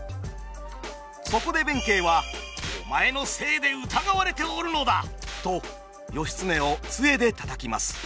そこで弁慶は「お前のせいで疑われておるのだ！」と義経を杖で叩きます。